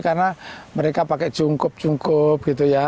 karena mereka pakai jungkup jungkup gitu ya